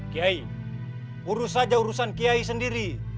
kiai urus saja urusan kiai sendiri